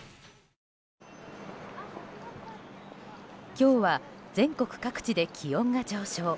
今日は全国各地で気温が上昇。